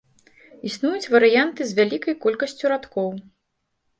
Існуюць варыянты з вялікай колькасцю радкоў.